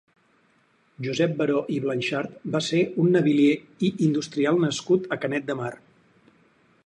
Josep Baró i Blanxart va ser un navilier i industrial nascut a Canet de Mar.